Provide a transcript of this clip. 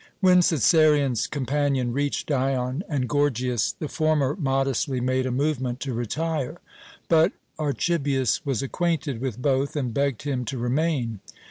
When Cæsarion's companion reached Dion and Gorgias, the former modestly made a movement to retire. But Archibius was acquainted with both, and begged him to remain.